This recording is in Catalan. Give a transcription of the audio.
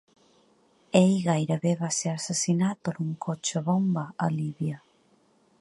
Ell gairebé va ser assassinat per un cotxe bomba a Líbia.